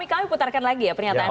kami putarkan lagi ya pernyataan